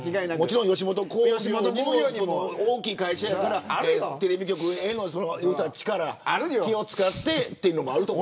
もちろん吉本興業も大きい会社やからテレビ局への力、気を使ってというのもあると思う。